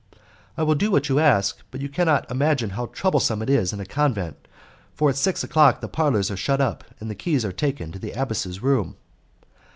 "I will do what you ask, but you cannot imagine how troublesome it is in a convent, for at six o'clock the parlours are shut up and the keys are taken to the abbess' room.